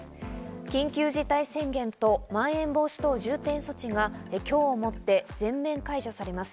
緊急事態宣言と、まん延防止等重点措置が今日をもって全面解除されます。